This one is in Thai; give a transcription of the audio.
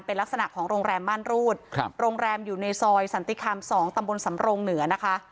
เป็นลักษณะของโรงแรมม่านรูดครับโรงแรมอยู่ในซอยสันติคำ๒ตำบลสำรงเหนือนะคะ